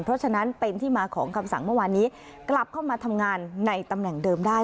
เพราะฉะนั้นเป็นที่มาของคำสั่งเมื่อวานนี้กลับเข้ามาทำงานในตำแหน่งเดิมได้